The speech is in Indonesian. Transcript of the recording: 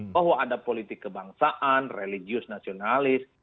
bahwa ada politik kebangsaan religius nasionalis